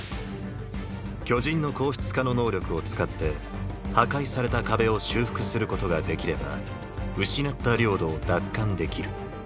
巨人の硬質化の能力を使って破壊された壁を修復することができれば失った領土を奪還できる。